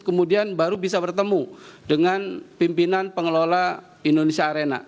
kemudian baru bisa bertemu dengan pimpinan pengelola indonesia arena